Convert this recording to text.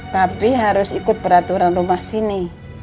tapi harus ikut peraturan rumah sini